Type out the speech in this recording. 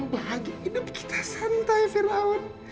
bahagia hidup kita santai firaun